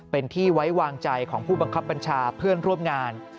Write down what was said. เป็นที่ไว้วางใจของผู้บังคับบัญชาเพื่อนร่วมงาน